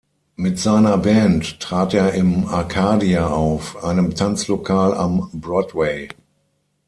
Mit seiner Band trat er im "Arkadia" auf, einem Tanzlokal am Broadway.